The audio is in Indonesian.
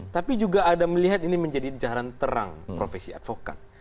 tapi juga ada melihat ini menjadi jalan terang profesi advokat